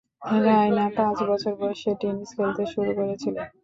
রায়না পাঁচ বছর বয়সে টেনিস খেলতে শুরু করেছিলেন।